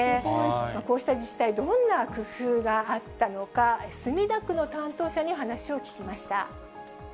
こうした自治体、どんな工夫があったのか、墨田区の担当者に話を聞きました。